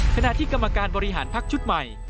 ขณะที่กรรมการบริหารพักชุดใหม่